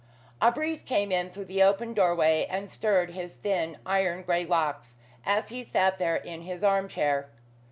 A breeze came in through the open doorway and stirred his thin iron gray locks, as he sat there in his arm chair.